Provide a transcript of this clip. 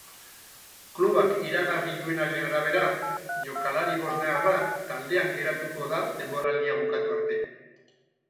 Klubak iragarri duenaren arabera, jokalari bosniarra taldean geratuko da denboraldia bukatu arte.